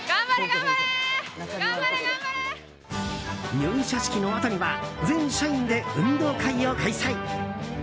入社式のあとには全社員で運動会を開催。